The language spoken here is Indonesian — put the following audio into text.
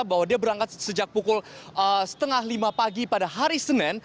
bahwa dia berangkat sejak pukul setengah lima pagi pada hari senin